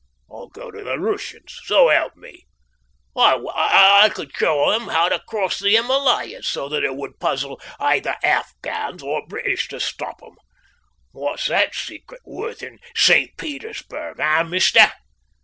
I'll go to the Rooshians, so help me! I could show them how to cross the Himalayas so that it would puzzle either Afghans or British to stop 'em. What's that secret worth in St. Petersburg, eh, mister?"